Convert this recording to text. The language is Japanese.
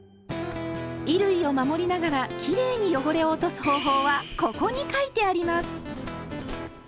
衣類を守りながらきれいに汚れを落とす方法は「ここ」に書いてあります！